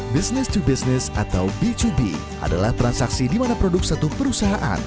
business to business atau b dua b adalah transaksi di mana produk satu perusahaan